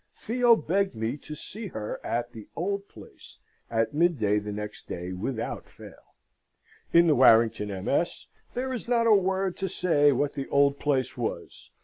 Theo begged me to see her at the old place at midday the next day without fail. [In the Warrington MS. there is not a word to say what the "old place" was.